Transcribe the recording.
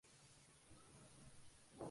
Y otros ejemplos más.